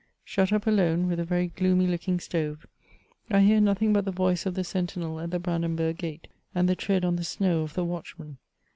Shut up alone, with a very gloomy lookiug stove/ I hear nothing but the voice of the sentinel at the Branden ^ burg Gate, and the tread on the snow of the watchman.